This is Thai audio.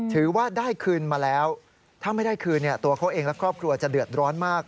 ถือว่าได้คืนมาแล้วถ้าไม่ได้คืนตัวเขาเองและครอบครัวจะเดือดร้อนมาก